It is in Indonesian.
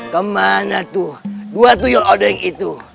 kemana tuh dua tuyul odeng itu